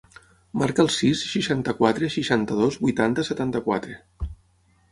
Marca el sis, seixanta-quatre, seixanta-dos, vuitanta, setanta-quatre.